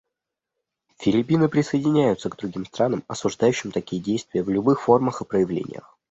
Филиппины присоединяются к другим странам, осуждающим такие действия в любых формах и проявлениях.